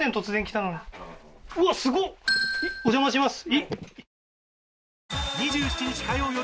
お邪魔します